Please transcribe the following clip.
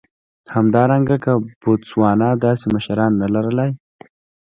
همدارنګه که بوتسوانا داسې مشران نه لر لای.